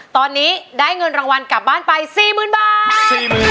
ตอนนี้ได้เงินรางวัลกลับบ้านไป๔๐๐๐บาท